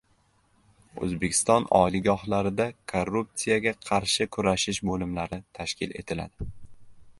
O‘zbekiston oliygohlarida korruptsiyaga qarshi kurashish bo‘limlari tashkil etiladi